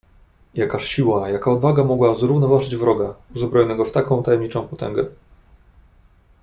"Jakaż siła, jaka odwaga mogła zrównoważyć wroga, uzbrojonego w taką tajemniczą potęgę?"